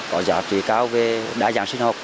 có giá trị cao về đa dạng sinh học